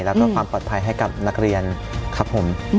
แล้วก็ความปลอดภัยให้กับนักเรียนครับผม